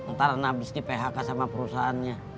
ntar nabis di phk sama perusahaannya